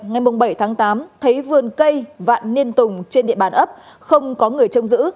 ngày bảy tháng tám thấy vườn cây vạn niên tùng trên địa bàn ấp không có người trông giữ